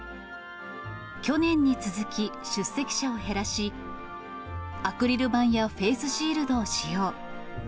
去年に続き出席者を減らし、アクリル板やフェイスシールドを使用。